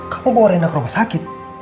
kamu bawa rendang ke rumah sakit